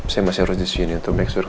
saya masih harus di sini untuk make suruh